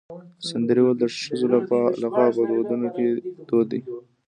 سندرې ویل د ښځو لخوا په ودونو کې دود دی.